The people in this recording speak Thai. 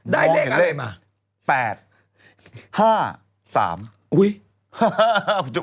ได้เลขอะไรมา